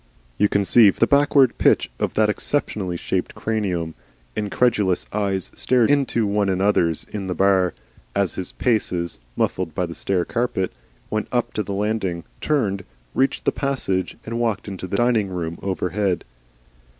You conceive the backward pitch of that exceptionally shaped cranium? Incredulous eyes stared into one another's in the bar, as his paces, muffled by the stair carpet, went up to the landing, turned, reached the passage and walked into the dining room overhead.